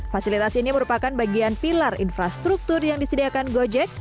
fasilitas ini merupakan bagian pilar infrastruktur yang disediakan gojek